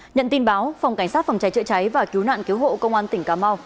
nhận tin báo phòng cảnh sát phòng cháy chữa cháy và cứu nạn cứu hộ công an tỉnh cà mau